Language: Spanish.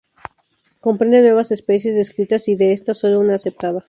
Comprende nueve especies descritas y de estas, solo una aceptada.